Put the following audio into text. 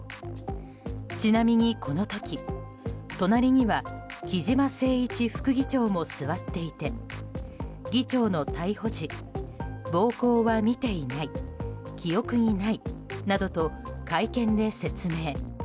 ちなみに、この時隣には木嶋晴一副議長も座っていて議長の逮捕時暴行は見ていない記憶にないなどと会見で説明。